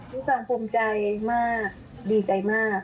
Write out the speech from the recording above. พี่สังภูมิใจมากดีใจมาก